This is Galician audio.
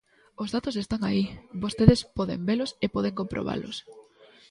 Os datos están aí, vostedes poden velos e poden comprobalos.